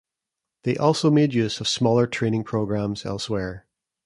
They also made use of smaller training programs elsewhere.